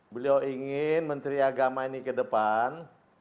beliau ingin menteri agama ini ke depan